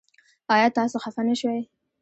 ایا تاسو خفه نه شوئ؟